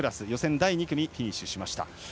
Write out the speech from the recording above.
第２組フィニッシュしました。